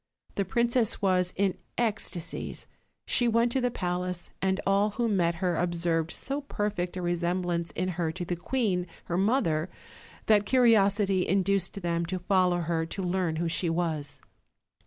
The princess was in ecstasies: she went to the palace, and all who met her observed so perfect a re semblance in her to the queen her mother that curiosity induced them to follow her to learn who she was.